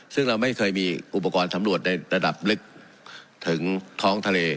ซึ่งเราไม่เคยมีอุปกรณ์สำรวจในระดับลึกถึงท้องทะเล